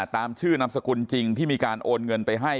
ตามชื่อนามสกุลจริงที่มีการโอนเงินไปให้